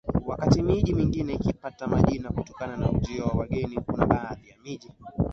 Wakati miji mingine ikipata majina kutokana na ujio wa wageni kuna baadhi ya miji